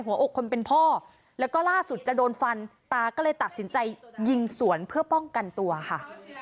หัวอกคนเป็นพ่อแล้วก็ล่าสุดจะโดนฟันตาก็เลยตัดสินใจยิงสวนเพื่อป้องกันตัวค่ะ